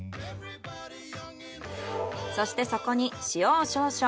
そしてそこに塩を少々。